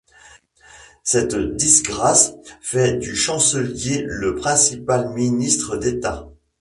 Cette disgrâce fait du chancelier le principal ministre d'État.